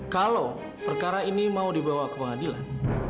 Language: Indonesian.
kalau perkara ini mau dibawa ke pengadilan